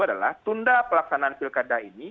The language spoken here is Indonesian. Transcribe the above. adalah tunda pelaksanaan pilkada ini